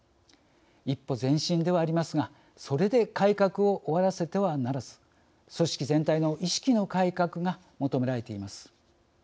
一歩前進ではありますがそれで改革を終わらせてはならず組織全体の意識の改革が求められています。